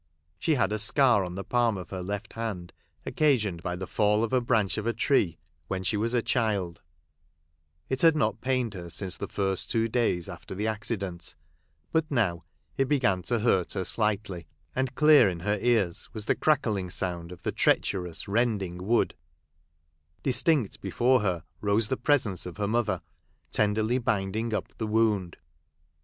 She had a scar on the palm of her left hand, occasioned by the fall of a branch of a tree, when she was a child ; it had not pained her since the first two days after the accident ; but now it began to hurt her slightly ; and clear in her ears was the crackling sound of the treacherous, rending wood ; distinct before her rose the presence "f her mother tenderly binding up the wound.